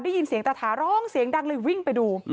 ได้ยินเสียงตาถาร้องเสียงดังเลยวิ่งไปดู